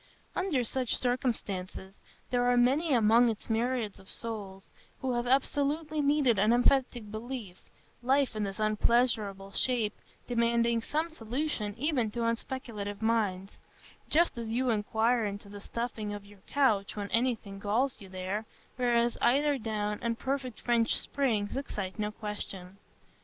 Under such circumstances, there are many among its myriads of souls who have absolutely needed an emphatic belief, life in this unpleasurable shape demanding some solution even to unspeculative minds,—just as you inquire into the stuffing of your couch when anything galls you there, whereas eider down and perfect French springs excite no question.